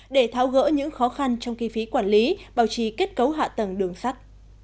để tháo gỡ những khó khăn trong kỳ phí quản lý bảo trì kết cấu hạ tầng đường sắt